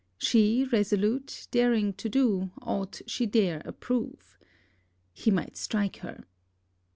She resolute, daring to do aught she dare approve. He might strike her.